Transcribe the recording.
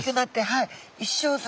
はい。